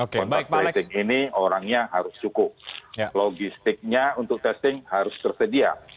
kontak tracing ini orangnya harus cukup logistiknya untuk testing harus tersedia